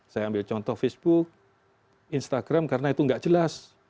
saya ambil contoh facebook instagram karena itu nggak jelas